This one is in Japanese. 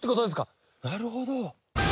なるほど！